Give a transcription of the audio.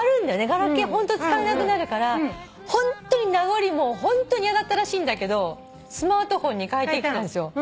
ガラケーホント使えなくなるからホントに名残ホント嫌だったらしいんだけどスマートフォンに替えてきたんですよ。